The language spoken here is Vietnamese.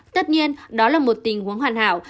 tất nhiên đó là một tình huống hoàn hảo